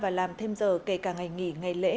và làm thêm giờ kể cả ngày nghỉ ngày lễ